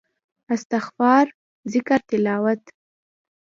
استغفار ذکر تلاوت